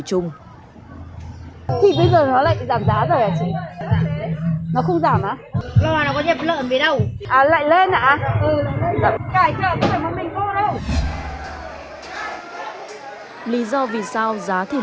chưa giảm giá à